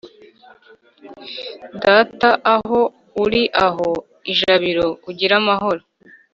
data aho uri aho ijabiro ugire amahoro,